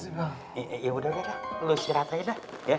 banget ya udah lu cerita ya